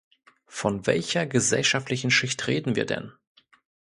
Von welcher gesellschaftlichen Schicht reden wir denn?